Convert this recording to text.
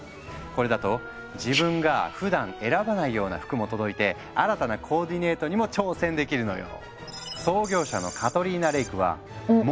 これだと自分がふだん選ばないような服も届いて新たなコーディネートにも挑戦できるのよ。